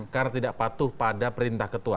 karena tidak patuh pada perintah ketua